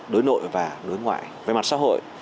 đối nội và đối ngoại về mặt xã hội